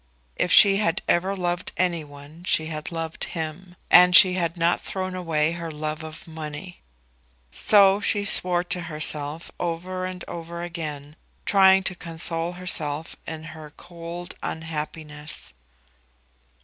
If she had ever loved any one she had loved him. And she had not thrown away her love for money. So she swore to herself over and over again, trying to console herself in her cold unhappiness.